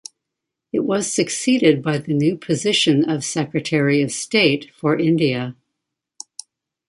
It was succeeded by the new position of Secretary of State for India.